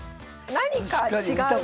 何か違う。